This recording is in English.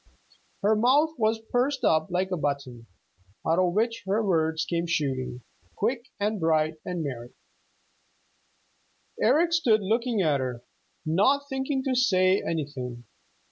Her mouth was pursed up like a button, out of which her words came shooting, quick and bright and merry. Eric stood looking at her, not thinking to say anything.